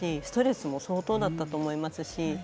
ストレスも相当だったと思いますし。